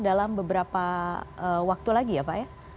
dalam beberapa waktu lagi ya pak ya